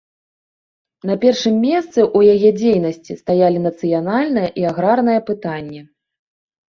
На першым месцы ў яе дзейнасці стаялі нацыянальнае і аграрнае пытанні.